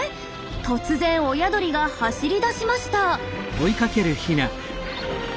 突然親鳥が走り出しました。